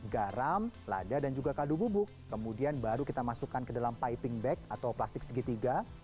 garam lada dan juga kaldu bubuk kemudian baru kita masukkan ke dalam piping bag atau plastik segitiga